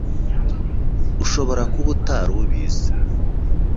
ushobora kuba utari ubizi